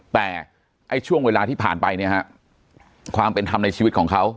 แต่ไอ้ช่วงเวลาที่ผ่านไปเนี่ยฮะความเป็นธรรมในชีวิตของเขา